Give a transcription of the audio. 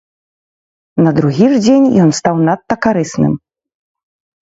На другі ж дзень ён стаў надта карысным.